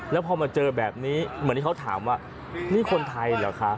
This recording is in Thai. แล้วพอมาเจอแบบนี้เหมือนที่เขาถามว่านี่คนไทยเหรอคะ